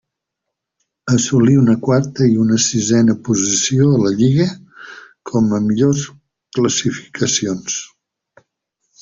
Assolí una quarta i una sisena posició a la lliga com a millors classificacions.